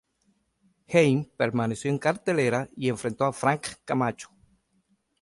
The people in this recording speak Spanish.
Hein permaneció en la cartelera y enfrentó a Frank Camacho.